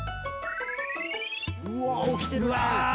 うわっ起きてるね。